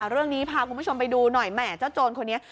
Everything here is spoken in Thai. เรื่องนี้พาคุณผู้ชมไปดูหน่อยแหม่เจ้าโจรคนนี้